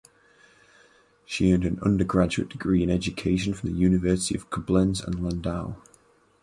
She earned an undergraduate degree in education from the University of Koblenz and Landau.